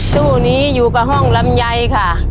ตู้นี้อยู่กับห้องลำไยค่ะ